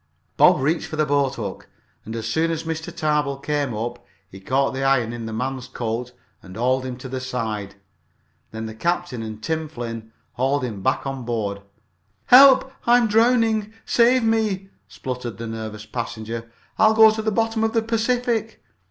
Bob reached for the boathook, and as soon as Mr. Tarbill came up, he caught the iron in the man's coat and hauled him to the side. Then the captain and Tim Flynn hauled him back on board. "Help! I am drowning! Save me!" spluttered the nervous passenger. "I'll go to the bottom of the Pacific!"